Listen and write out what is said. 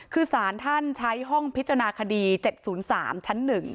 คือสารท่านใช้ห้องพิจารณาคดี๗๐๓ชั้น๑